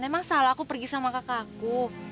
emang salah aku pergi sama kakakku